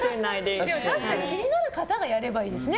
確かに気になる方がやればいいですね。